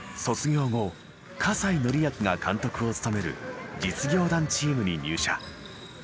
卒業後西紀明が監督を務める実業団チームに入社。